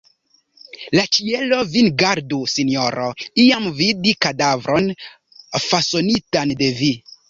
La ĉielo vin gardu, sinjoro, iam vidi kadavron fasonitan de vi!